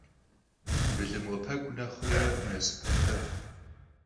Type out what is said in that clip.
Bılım khıpek'u nexhre nasıp khıpek'u.